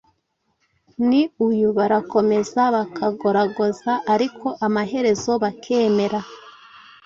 Ni uyu”. Barakomeza bakagoragoza ariko amaherezo bakemera.